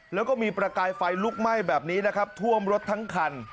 แล้วก็มีประกายไฟลุกไหม้แบบนี้นะครับท่วมรถทั้งคัน